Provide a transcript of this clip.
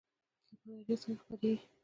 ملاریا څنګه خپریږي؟